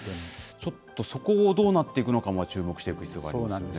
ちょっとそこをどうなっていくのかも注目していく必要がありそうそうなんです。